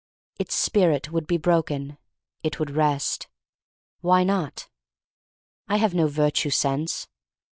Its spirit would be broken. It would rest. Why not? I have no virtue sense.